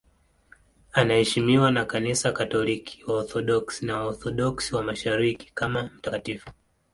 Anaheshimiwa na Kanisa Katoliki, Waorthodoksi na Waorthodoksi wa Mashariki kama mtakatifu.